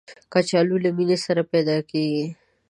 کچالو له مینې سره پیدا کېږي